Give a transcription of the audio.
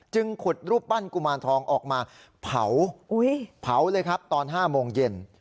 ขุดรูปปั้นกุมารทองออกมาเผาเผาเลยครับตอน๕โมงเย็น